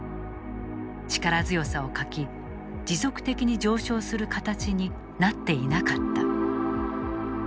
力強さを欠き、持続的に上昇する形になっていなかった。